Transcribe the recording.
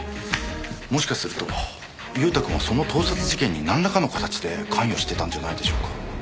もしかすると祐太君はその盗撮事件になんらかの形で関与してたんじゃないでしょうか。